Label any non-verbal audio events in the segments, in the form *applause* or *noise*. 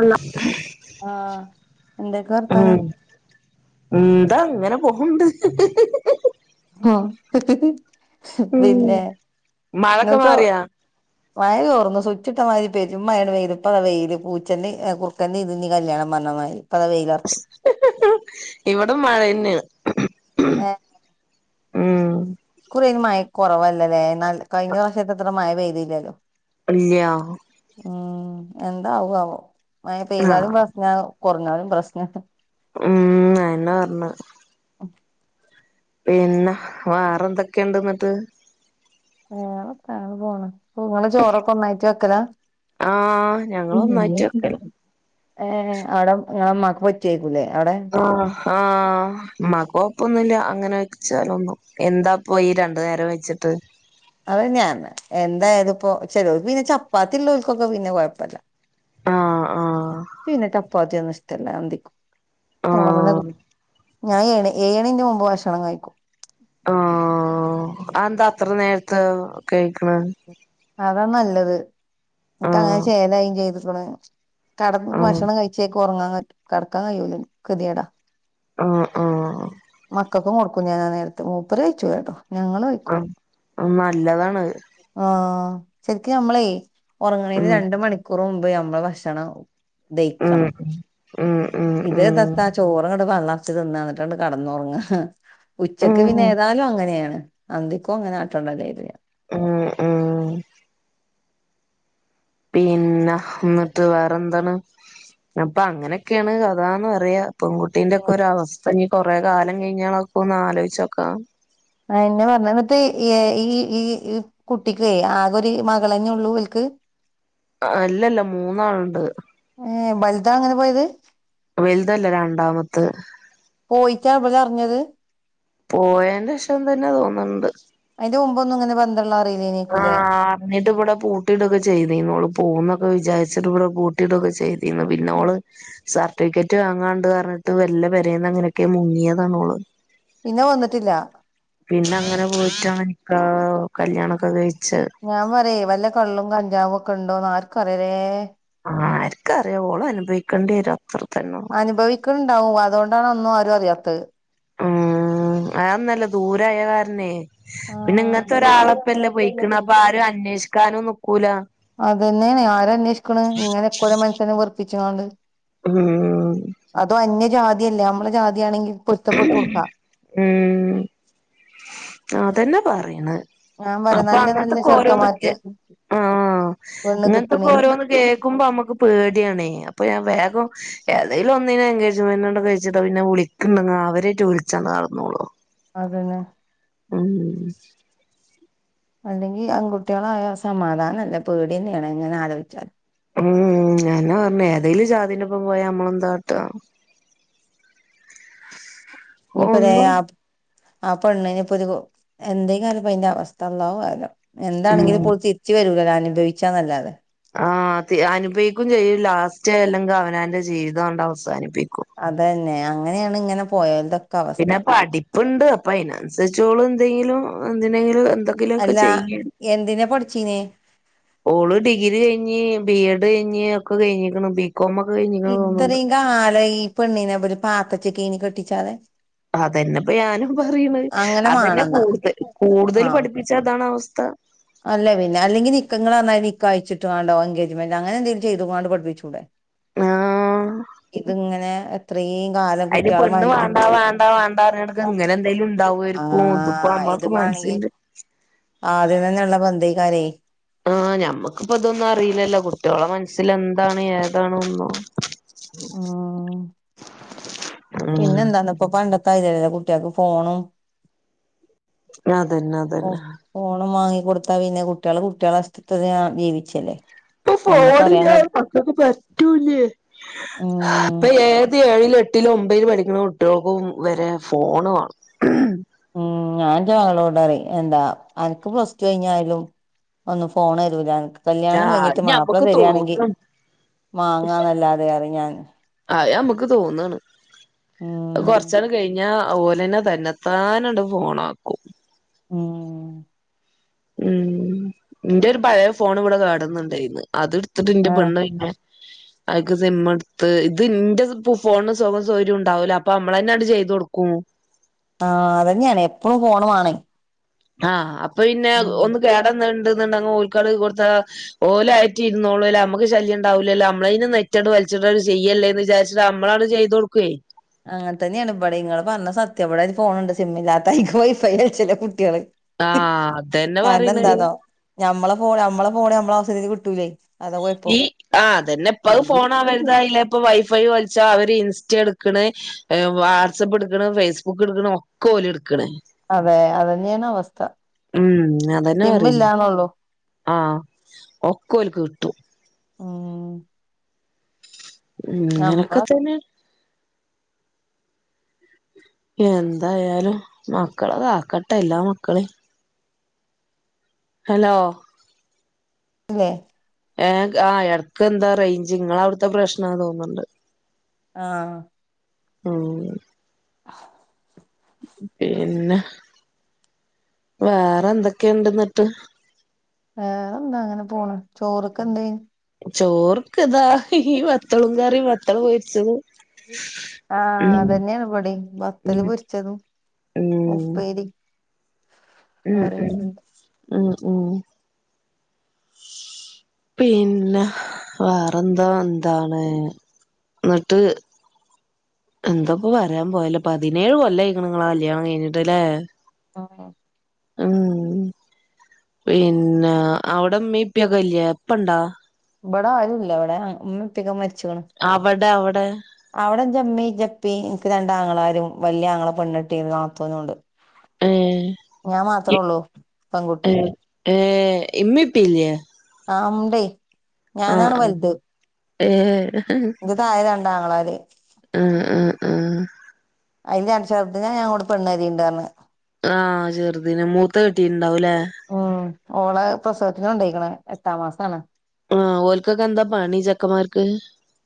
അല്ല ആഹ് എന്തൊക്കെ ഉം വർത്താനം എന്താ അങ്ങനെ പോക്കണ്ട് ഉ ഉം പിന്നെ മഴൊക്കെ ഇങ്ങള് മാറിയാ മഴ ചോർന്നു സുച്ചിട്ടമാതിരി പെരും മയ പെയ്തു ഇപ്പ വെയിയില് പൂച്ചന്റെ കുറുക്കന്റി ഇതിന്റെ കല്യാണം പറഞമാതരി ഇവിടെ മഴ തന്നെയാണ് ഏഹ് ഉം ഇക്കുറി മഴ കുറവല്ലല്ലേ കഴിഞ്ഞ വർഷത്തെത്ര മഴ പെയ്തില്ലല്ലോ ഇല്ലയാ ഉം എന്താവ മയ പെയ്താലും ആഹ് പ്രശ്ന കുറഞ്ഞാലും പ്രശ്ന ഉം അയെനാ പറഞ്ഞ ഒക്കെ പിന്നെ വേറെ എന്തൊക്കെയണ്ട് എന്നിട്ട് വേറെ എത്താ അങ്ങനെപോണ് ഇങ്ങള് ചോറൊക്കെ ഒന്നായിട്ട് വെക്കലാ ആ ഞങ്ങള ഒന്നായ്റ്റ് വെക്കലാ ഏ അവിടെ ഇങ്ങളെ ഇമ്മാക്ക് പറ്റേക്കും ആ ആ ഇമ്മാക്ക് കെ ഇപ്പൊന്നുമല്ല അങ്ങനെ വെച്ചാല ഒന്നും എന്താ പോയി രണ്ടു നേരം വെച്ചിട്ട് അതെ ഞാ എന്തായതി ഇപ്പോ ചെിലക്ക് പിന്നെ ചപ്പാത്തി ഉള്ളോൽക്ക് പിന്നെ കൊഴപ്പില്ല ആഹ് ആഹ് ഇച്ച് പിന്നെ ചപ്പാത്തി ഒന്നും ഇഷ്ട്ടമില്ല അന്തിക്കെന്നും ചോർതന്നെ കി ആഹ് ഞാൻ ഏഴ് ഏഴ്ണീന്റെ മുമ്പ് ഭക്ഷണം കഴിക്കും ആ അതെന്താ അത്ര നേരത്തെ ഭക്ഷണം കേഴ്ക്ക്ണ് അതാ നല്ലത് ഇക്ക് അങ്ങനെ ആഹ് ചെയ്യലായയും ചെയ്ത്ക്ക്ണ് കടന്ന ആഹ് ഭക്ഷണം കഴിച്ചേക്ക് ഉറങ്ങാൻ പറ്റും കടക്കാൻ കഴിയൂല കെതിയേടാ ആഹ് ആഹ് മക്കൾക്കും കൊടുക്കും ഞാന നേരത്തെ മൂപ്പര് കയ്യ്ചൂലാട്ടോ ഞങ്ങള് കയിക്കും ആഹ് നല്ലതാണ് ആ ആ ശരിക്കും നമ്മളേ ഉറങ്ങണീന് ഉം രണ്ട മണിക്കൂർ മുമ്പ് ഞമ്മള് ഭക്ഷണം ഉം ദയിക്കണം ഉം ഉം ഇത് ഉം തത്താ ചോറ്ങ്ങട് പള്ള നിറച്ച് തിന്നാ എന്നിട്ടണ്ട് കടന്നുറങ്ങ ഉച്ചക്ക് ഉം പിനേ യേതാലും അങ്ങനെയാണ് അന്തിക്കും അങ്ങനെ കാട്ടണ്ടെല്ലോ കരുതി ഞാൻ ആ ആ പിന്നെ ന്ന്ട്ട് വേറെന്താണ് അപ്പൊ അങ്ങനൊക്കെയാണ് കഥന്ന് പറയാ പെൺകുട്ടീന്റെ ഒക്കെ ഒരു അവസ്ഥ ഇനി കൊറെ കാലം കഴിഞ്ഞാാലൊക്കെ ഒന്ന് ആലോചിച്ചോക്കാം അതന്നെ പറഞ്ഞെ ന്നട്ട് ഈ ഈ ഈ കുട്ടിക്ക് ആകൊരു മകളന്നെ ഉള്ളൂവൽക്ക് അല്ലല്ല മൂന്നാളുണ്ട് ഏഹ് ബൽതാ അങ്ങനെ പോയത് വലുതല്ല രണ്ടാമത്ത് പോയിറ്റാ അവര് അറിഞ്ഞത് പോയന്റെഷം തന്നെ തോന്ന്ണ്ട് ഇതിനു മുമ്പോന്നും ഇങ്ങനെ ബന്ധള്ളത് അ ആഹ് അറിഞ്ഞിട്ട് ഇവിടെ പൂട്ടിടൊക്കെ ചെയ്തീനു ഓള് പോകുംന്നൊക്കെ വിചാരി ച്ചിട്ട് ഇവിടെ പൂട്ടിടൊക്കെ ചെയ്തിന്ന് പിന്നെോള് സർട്ടിഫിക്കറ്റ് വാങ്ങാണ്ട്ന്ന് പറഞ്ഞിട്ട് വെല്ലെ പേരെന്ന്‌ എങ്ങനെയൊക്കെ മുങ്ങിയതാണോള്ള് പിന്നെ വന്നിട്ടില്ല പിന്നെ അങ്ങനെ പോയിട്ടാണ് നിക്കാഹ് കല്യാണൊക്കെ കഴി ഞാൻ പറയാ വല്ല കള്ളും കഞ്ചാവും ഒക്കെ ഉണ്ടോന്ന് ആർക്ക്റിയലേ ആക്കറിയാ ഓള് അനുഭവിക്കേണ്ടിവരും അനുഭവിക്കണ്ടാവും അതുകൊണ്ടാണ് ഒന്നും ആരും അറിയാത്തത് ആഹ് അതോന്നുഅല്ലാ ദൂരായ കാരനെ പിന്നെ ഇങ്ങത്തെ ഒരാളപ്പല്ലേ പൊയിക്ക്ണെ അപ്പ ആഹ് ആരും അന്വേഷിക്കാനും നിക്കൂല അതന്നെയാണ് ആര് അന്വേഷിക്ക്ണ് ഇങ്ങനെക്കോടെ മനുഷ്യനെ വെറുപ്പി ച്ചാണ്ട് ഉം അതോ! ! ! ! ! ! ! ! ! ! ഉം ആതന്നെ പറയ്ണ് ഞാൻ പറയാ അപ്പൊ നല്ല നല്ല അങ്ങനത്തൊക്കെ ഓരോന്നക്കെ ചെറുക്കന്മാർക്ക് ആഹ് പെണ്ണ് ഇങ്ങനത്തെപ്പോ കിട്ടണില്ല ഓരോന്ന് കേൾക്കുമ്പോ നമ്മുക്ക് പേടി യാണെ അപ്പൊ ഞാൻ വേഗം ഏതെലും ഒന്നിനെ എൻങ്കേജ്മെന്റ് ആണ്ട് കഴിച്ചിട്ട പിന്നെ വിളി ക്ക്ണ്ടെങ്കിൽ അവരെറ്റ് വിളിച്ചാണ്ട്‌ നടന്നോളും അതന്നെ ആഹ് അല്ലെങ്കിൽ പെൺകുട്ടികളായ സമാധാനംല്ല പേടിയന്നെആണ് എങ്ങനെ ആലോചിച്ചാലും ഉം ഞാനെതന്നെ പറഞ്ഞെ ഏതേലും! ! ! ! ! ! ! ! ! ! പോയാ നമ്മളെന്താകാട്ടാ *inaudible* ഞ്ഞ് പ്പ തെ ഒന്നും ആഹ് ആ പെണ്ണ്ന്പ്പൊരു എന്തെക്കാരം പ്പ അതിന്റെ അവസ്ഥ അള്ളാഹു അഹ്‌ലം ഉം എന്താണെങ്കിലുമിപ്പോൾ ഓള് തിരിച്ച് വരൂല്ലോ അനുഭവിച്ചാന്നല്ലാതെ ആഹ് തി അനുഭവിക്കും ചെയ്യും ലാസ്റ്റ് അല്ലെങ്കിൽ അവനവന്റെ ജീവിതാണ്ട് അവസാനിപ്പിക്കും അതന്നെ അങ്ങനെയാണ് ഇങ്ങനെ പോയൽതൊക്കെ പിന്നെ പഠിപ്പുണ്ട് അപ്പൊ അതിനനുസരിച്ചോള് എന്തെങ്കിലും എന്തിനെങ്കിലും എന്തെങ്കിലുംമൊക്കെ അല്ല ചെയ്യും എന്തിനാ പഠിച്ചീനെ ഓള് ഡിഗ്രി കഴിഞ്ഞ് ബി എഡ് കഴിഞ്ഞ് ഒക്കെ കഴിഞ്ഞിക്ക്ണ് ബി ഇത്രയും കാലം ഈ പെണ്ണീനെ ഇബല് പാത്തച്ചെ ക്കെനി കെട്ടിച്ചാതെ അതന്നെപ്പ ഞാനും പറയണുന്നത് അങ്ങനെ അതെന്നെ മാണംന്നാ കൂടുതൽ കൂടുതൽ ആഹ് പഠിപ്പിച്ച ഇതാണ് അവസ്ഥ അല്ല പിന്നെ അല്ലെങ്കിൽ നിക്ക ങ്ങൾ പറഞ്ഞ മാതിരി നിക്കാഹ്‌ കഴിച്ചിട്ടാണ്ടോ എൻഗേജ്മെന്റ് അങ്ങനെ എന്തെലും ചെയ്ത്കാണ്ട് പഠപ്പിചൂടെ ആഹ് ഇതിങ്ങനെ എത്രീം അതിനു പെണ്ണ് വേണ്ടാ വേണ്ടാ വേണ്ടാ പറഞ്ഞെട്ക്ക് ഇങ്ങനെ എന്തേലും ഉണ്ടാവുമായിരിക്കും ഇതിപ്പോ ആഹ് മ്മക്ക് നമ്മൾക്ക് മ ഇതുമാണെങ്കി *unintelligible* ആദ്യം തന്നെയുള്ള ബന്ധയ്ക്കാരെ ആഹ് ഞമ്മക്കിപ്പ ഇതൊന്നും അറിയില്ലല്ലോ കുട്ടികളെ മനസ്സിൽ എന്താണ് ഏതാണ് ഒന്നും ഉ പിന്നെന്താന്നപ്പൊ പണ്ടത്തൊതിരിയല കുട്ടികക്ക് ഫോണും മ് അതന്നെ അതന്നെ ഫോൺ വാങ്ങിക്കൊടുത്താ പിന്നെ കുട്ടികൾ കുട്ടികളെ ഇഷ്ടത്തിന് ജീവിച്ചല്ലേ ഇപ്പൊ നമ്മക്കറിയാൻ ഫോണില്ലാതെ കഴി മക്കൾക്ക് പറ്റൂല്ലേ ഉം ഇപ്പ ഏത് ഏഴിലും എട്ട് ഇപ്പൊ അതിന് ഒമ്പത്തിൽ പഠിക്കുന്ന കുട്ടികൾക്കും വരെ ഫോൺ വേണം ഉം ഞാൻ ഇന്റെ മക്കളോട് പറയുംഎന്താ അനക്ക് പ്ലസ് ടു കഴിഞ്ഞാലും ഒന്ന് ഫോൺ തരൂല അനക്ക് കല്യാണം ആഹ് അത് കഴിഞ്ഞിട്ട് മാപ്പിള ഞമ്മക്ക് തരിയാണെങ്കി തോന്നും മാങ്ങാന്നല്ലാതെ അറി ഞാൻ ആഹ നമുക്ക് തോന്നാണ് ഉം കൊറച്ച കഴിഞ്ഞ അതുപോലെന്നെ തന്നെത്താനണ്ട് ഫോണ ആക്കും ഉം ഉം നിന്റെ ഒരു പഴയ ഫോൺ ഇവിടെ കാടന്നുണ്ടായിനി അത് എടുത്തിട്ട് ഇന്റെ ആഹ് പെണ്ണന്നെ അക്ക് സിം എടുത്ത് ഇത് ഇന്റെ ഫോണന് സുഖം സൗകര്യം ഉണ്ടാവല അപ്പൊ നമ്മള് തന്നെ അങ്ങട്ട് ചെയ്തു കൊടുക്കും *unintelligible* ആഹ അതന്നെയാണ് എപ്പഴും ഫോണ് വണേ ആഹ അപ്പൊ പിന്നെ ഒന്ന് കേടന്നിണ്ട് *unintelligible* ഓല്ക്ക് അങ്ങട്ട് കൊടുത്ത ഓല് അതായിട്ട് അങ്ങട്ട് ഇരുന്നോളും നമ്മക്ക് ശല്യം ഉണ്ടാവൂല ലോ നമ്മളെന്നു നെറ്റ് അങ്ങട്ട് ചെയ്യല്ലേ എന്ന് വിചാരിച്ചട്ട് നമ്മളാണ് ചെയ്ത കൊടുക്കേ അങ്ങനത്ത തന്നെയാണ് ഇവിടെ ഇങ്ങ പറഞ്ഞ സത്യ ഇവിടെ ഫോണുണ്ട് സിമ്മില്ലാത്ത അയിക്ക് വൈഫൈൽിച്ചില്ലേ കുട്ടികള് ആഹ് അതന്നെ കാരണം പറയണേ എന്താന്നോ ഞമ്മളെ ഫോൺ നമ്മളെ ഫോൺ നമ്മളെആവശ്യത്തിന് കിട്ടൂലേ അതാ കുഴപ്പം ഈ ആ് അതന്നെ ഇപ്പ ഫോൺാവരുത അല്ല ഇപ്പ വൈഫൈ അവര് ഇൻസ്റ്റ എടുക്ക വാട്സആപ്പ് എടുക്കണ് ഫേസ്ബുക്ക് എടുക്കണ ഒക്കെലെ എടു അതെ അതന്നെയാണ് അവസ്ഥ ഉം അതന്നെ പറയുന്നു സിമ്മില്ലാന്നൊള്ളൂ ആഹ ഒക്കലക്ക് ആഹ ഉ ഇങ്ങനൊക്കെ തന്നെ എന്തായാലും മക്കള കാക്കട്ടെ എല്ലാ മക്കളയും ഹലോ അല്ലെ ഏ ആ ഇടക്ക് എന്താ റേഞ്ച് നിങ്ങളെ അവിടുത്തെ പ്രശ്ന തോന്നുന്നുണ്ട് ആഹ ഉം പിന്നെ വേറെ എന്തൊക്കെയ ഉണ്ട് എന്നിട്ട് വേറെ എന്താ അങ്ങനെ പോണ ചോറൊക്കെ എന്തേ ചോർക്കെതാ ഈ മത്തളും കറി മത്തള മൊച്ചത് ആഹ അതന്നെയണപടി ബത്തല് ഉം പൊരിച്ചതും ഉം ഉപ്പേരി ഉം പററക്ക ഉം *unintelligible* ഉം ഉം അ പിന്നെ വേറെന്തോ എന്താണ് എന്നിട്ട് എന്തപ്പ പറയാൻ പോയല്ല പതിനേഴ് കൊല്ലായിങ്ങ നിങ്ങളെ കല്യാണം കഴിഞ്ഞിട്ടല്ലേ ആഹ ഉം പിന്നെ അവിടെ ഇമ്മീ ഇപ്പ ഒക്കെ ഇല്ലെ ഇപ്പ ഉണ്ടോ ഇവിടെ ആരുംല്ല ഇവിടെ ഇമ്മി ഇപ്പ ഒക്കെ മരി ച്ച്ക്കണ്. അവിടെ അവിടെ അവിടെ ഇന്റെ ഇമീം ഇന്റെ ഇപ്പി ഇൻക്ക് രണ്ട് അങ്ങളാരും വലിയ ആങ്ങള പെണ്ണ് കെട്ടിക്ക്ണ് നാത്തൂനും ഉണ്ട് ഏ ഞാൻ മാത്രേ ഉള്ളു ഏ പെൺകുട്ടി ഏ ഇമ്മി ഇപ്പി ഇല്ലേ ഉണ്ടേ ഞാനാണ് ആഹ് വലുത് ഏ ഇന്റെ ത്തായ രണ്ടാങ്ങളാര് മ്മ് മ്മ് അതിന്റെ അൻചെറുതിനാ പെണ് നെരെണ്ടപറഞ് ആഹ് ചെറുതിനെ മൂത്ത കെട്ടിട്ടുണ്ടാവുല്ലേ ഓള പ്രസവത്തിന് കൊണ്ടയ്ക്കുന്നു എട്ടാം മാസാണ് ആഹ ഓൽക്കക്കെന്താ പണി ചക്കമാർക്ക്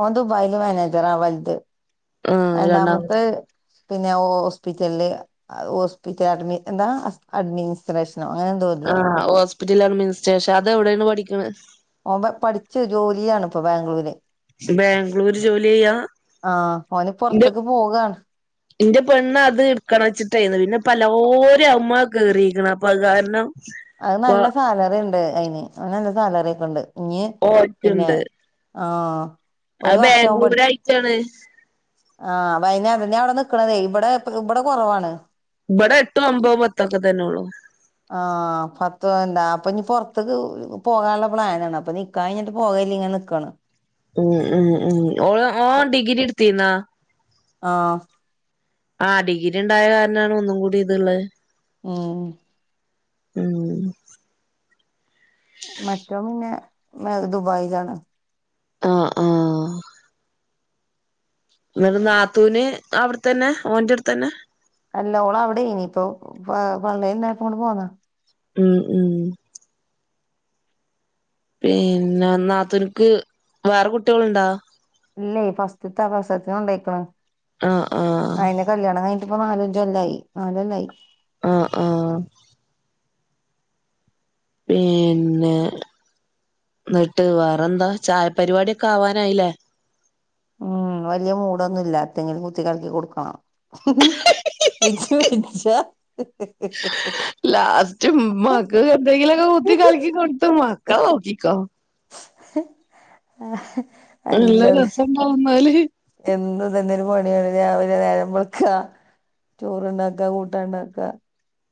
ഓ ദുബായില് മാനേജറാ വലുത് ആഹ് രണ്ടാമ രണ്ടാമത്തെ പിന്നെ ഹോസ്പിറ്റലില് ഹോസ്പിറ്റൽഡ്മ എന്താ അഡ്മിനിസ്ട്രേഷ *unintelligible* അങ്ങനെ തോലെ ഹിറ്റൽ അഡ്മിനിസ്ട്രേഷൻ അത എവിടെയാണ് പഠിക്കുന്നത് ഓ പഠിച്ചു ജോലിയാണ് ഇപ്പൊ ബാംഗ്ലൂര് ബാംഗ്ലൂര് ജോലി ചെയ്യാ ആഹ് ഓന് എന്റെ പുറത്തേക്ക് പോകാണ് എന്റെ പെണ്ണ അത് ഇടുക്കണ വെച്ചിട്ടായിന്ന് പിന്നെ എലോരും അമമ്മ ക കേറിയിരിക്ന് അപ്പൊ അത് കാരണം അത് ഇപ്പൊ നല്ല സാലറി ഉണ്ട് അയിന് അവന് നല്ല സാലറി ഒക്കെ ഉണ്ട് ഓക്കണ്ട് ആഹ അധ് ബാംഗ്ലൂര് ആയിട്ടാണ് ആഹ വൈന അതന്നെ അവിടെ നിക്കണതേ ഇവിടെ ഇവിടെ കുറവാണ് ഇവിടെ എട്ടും ഒമ്പതും പത്തൊക്കെ തന്നെ ഉള്ളു ആഹ പത്ത *unintelligible* അപ്പൊ ഇനി പുറത്തക്ക് പോകാനുള്ള പ്ലാനാണ് അപ്പ നിക്കാ കഞ്ഞിട്ട് പോകല്ല ഇങ്ങനെ നിക്കാണ് ഉം ഉം ഉം ഓള ഓ ഡിഗ്രി ഇടുത്തിന്നാ ആഹ ആ ഡിഗ്രി ഉണ്ടായ കാരണാണ് ഒന്നും കൂടി ഇത്ള്ളത് മ്മ് ഉം മറ്റോ പിന്നെ ദുബായിലാണ് ആഹ ആഹ എന്നിട് നാത്തൂന് അവിട തന്നെ ഓന്റെ അടുത്തന്നെ അല്ല ഓള് അവിടെയിനി ഇപ്പൊ വള്ളലുലപോ ഇങ്ങട്ടു പോന്നാ ഉം ഉം പിന്നെ നാത്തുനിക്ക് വേറെ കുട്ടികൾുണ്ടാ ഇല്ലേ ഫാസ്റ്റ്ത പ്രസവത്തിനു കൊണ്ടയിക്ന് ആഹ ആ ഇപ്പ നാലഞ്ചകൊല്ലായി നാലുലോലായി ആഹ ആഹ പിന്നെ എന്നിട്ട് വേറെന്താ ചായ പരിപാടിക്കെ ആവാനായില്ലേ ഉം വലിയ മൂടൊന്നുംല്ല എത്തെങ്കിലും കുത്തി കളകി കൊടുക്കണം ച്ച *unintelligible* ച് മക്ക് എന്തെങ്കിലൊക്ക കുത്തി കലിക്കി കൊടുത്തു മക്കലെ നൊക്കികൊ ആഹ നല്ല രസണ്ടാകുംന്നാല് എന്നും ഇതന്നെ ഒരു പണിയാണ് രാവിലെ നേരംമ്പളക്ക ചോറ്ണ്ടാക്ക കൂട്ടാ ഉണ്ടാക്ക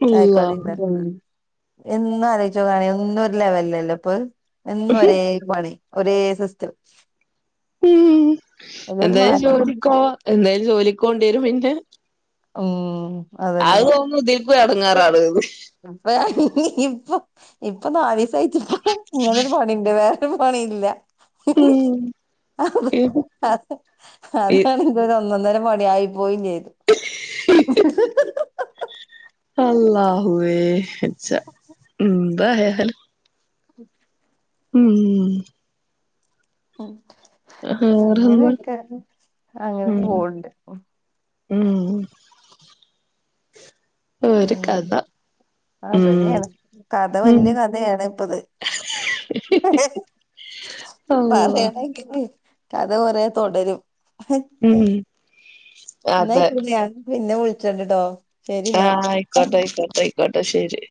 അള്ളാ *unintelligible* എന്നും ആലോചികനിം എന്നും ഒരു ലെവലല്ലോ ഇപ്പൊ അധ് എന്നും ഒരേ പണി ഒരേ സിസ്ടം ഉ എന്തായാലും ജോലിക്കോ എന്തായാലും ജോലിക്കോണ്ടിവരും പിന്നെ മം അത് നോക്കുമ്പോ ഇതില്ക്കും അടങ്ങാറാണ് ഇത് നീ ഇപ്പ ഇപ്പൊ നാലല് ദിവസംയച്ചപ്പ ഇങ്ങനെൊരു പണിണ്ട് വേറൊരു പണി ഇല്ല ഉം അ ഇത് ഇ അതാണ്ത *unintelligible* ഒന്നന്നരം പണി ആയി പോയിലെ *unintelligible* അല്ലാഹുവേ വ്യജ എന്തായാലും ഉ ഉം വേറെന്താ അങ്ങനെയൊക്കെ അങ്ങനെ ഉം പോണ്ട് ഉം ഒരു പിന്നെ കഥ ഉം അതന്നെയാണ് കഥ ഉം വലിയ കഥയാണ് ഇപ്പത് അള്ളാ പറയണെങ്കിൽ കഥ കൊറെ തുടരും ഉം അതെ ഇന്നായിക്കോട്ടെ പിന്നെ വിളിച്ചണ്ട്ട്ടോ ശരിന്നാ. ആഹ ആയിക്കോട്ടെ ആയിക്കോട്ടെ ആയിക്കോട്ടെ ശരി